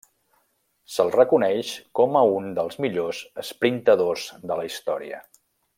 Se'l reconeix com a un dels millors esprintadors de la història.